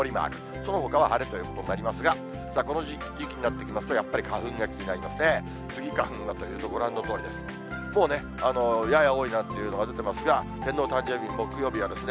そのほかは晴れということになりますが、この時期になってきますと、やっぱり花粉が気になりますね。